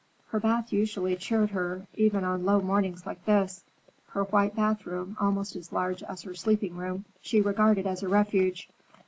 Her bath usually cheered her, even on low mornings like this. Her white bathroom, almost as large as her sleeping room, she regarded as a refuge.